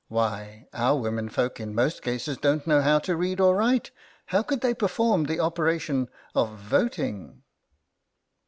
Why, our womenfolk in most cases don't know how to read or write. How could they perform the operation of voting